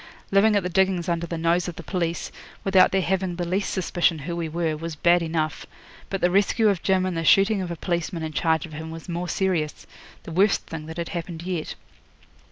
Living at the diggings under the nose of the police, without their having the least suspicion who we were, was bad enough; but the rescue of Jim and the shooting of a policeman in charge of him was more serious the worst thing that had happened yet.